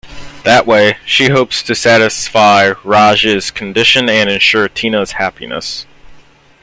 That way, she hopes to satisfy Raj's condition and ensure Tina's happiness.